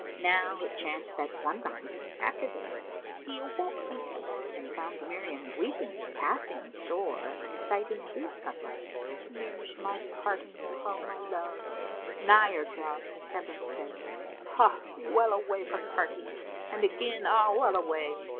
Now it chanced that one night, after this, he awoke from sleep and found Miriam weeping passing sore and reciting these couplets, "Nears my parting fro' my love, nigher draws the Severance day * Ah well away for parting! and again ah well away!